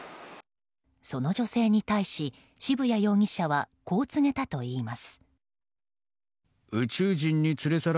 その女性に対し、渋谷容疑者はこう告げたといいます。